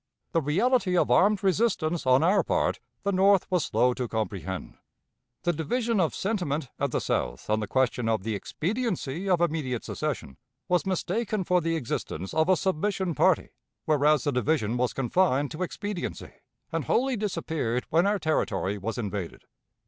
The reality of armed resistance on our part the North was slow to comprehend. The division of sentiment at the South on the question of the expediency of immediate secession, was mistaken for the existence of a submission party, whereas the division was confined to expediency, and wholly disappeared when our territory was invaded.